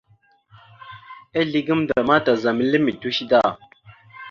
Ezle gamənda ma tazam ele mitəweshe da.